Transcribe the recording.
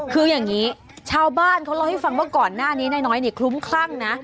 คืออย่างนี้ชาวบ้านเขาเล่าให้ฟังว่าก่อนหน้านี้นายน้อยเนี่ยคลุ้มคลั่งนะ